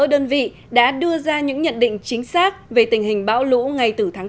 quý vị đã đưa ra những nhận định chính xác về tình hình bão lũ ngày từ tháng bốn